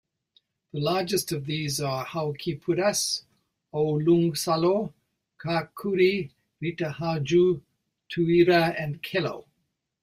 The largest of these are Haukipudas, Oulunsalo, Kaakkuri, Ritaharju, Tuira, and Kello.